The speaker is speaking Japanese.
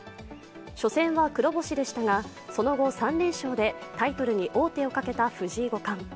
初戦は黒星でしたが、その後、３連勝でタイトルに王手をかけた藤井五冠。